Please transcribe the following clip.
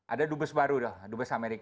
ada dubes baru dubes amerika dubes kim jung